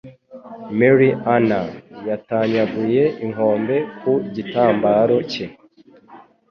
Mary Ann yatanyaguye inkombe ku gitambaro cye